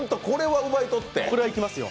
これはいきますよ。